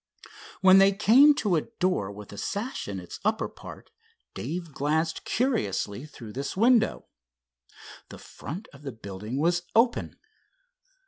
When they came to a door with a sash in its upper part, Dave glanced curiously through this window. The front of the building was open.